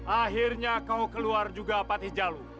akhirnya kau keluar juga pati jalu